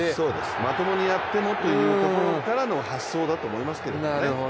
まともにやってもというところからの発想だと思いますけどね。